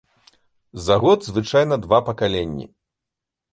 За год звычайна два пакаленні.